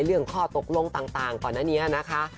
เรื่องข้อตกลงต่างก่อนอันนี้นะคะ